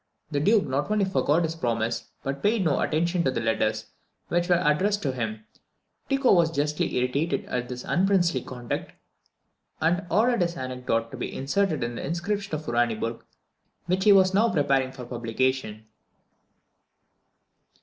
The Duke not only forgot his promise, but paid no attention to the letters which were addressed to him. Tycho was justly irritated at this unprincely conduct, and ordered this anecdote to be inserted in the description of Uraniburg which he was now preparing for publication.